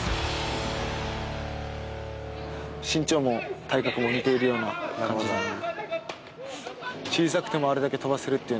身長も体格も似ているような感じなので。